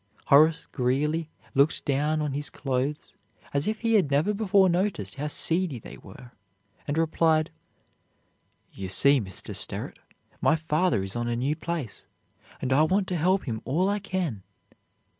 Horace Greeley looked down on his clothes as if he had never before noticed how seedy they were, and replied: "You see Mr. Sterrett, my father is on a new place, and I want to help him all I can."